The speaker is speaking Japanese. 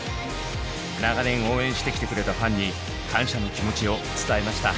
長年応援してきてくれたファンに感謝の気持ちを伝えました。